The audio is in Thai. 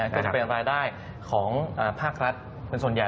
ก็จะเป็นรายได้ของภาครัฐเป็นส่วนใหญ่